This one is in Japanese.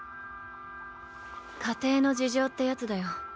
家庭の事情ってやつだよ。